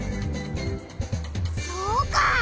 そうか！